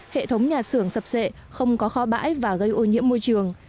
hệ thống nhà xưởng sập sệ không có kho bãi và gây ô nhiễm môi trường